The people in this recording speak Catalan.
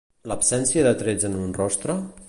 L'absència de trets en un rostre?